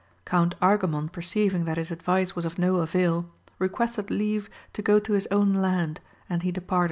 Count Argamon perceiving that his advice was of no avail, requested leave to go to his own land, and he departed.